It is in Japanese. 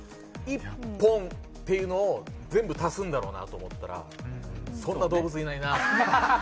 １本というのを全部足すんだろうと思ったらそんな動物いないなって。